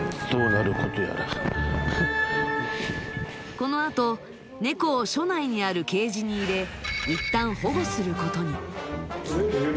このあと猫を署内にあるケージに入れいったん保護することに・入れる？